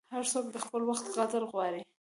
هر څوک د خپل وخت قدر غواړي.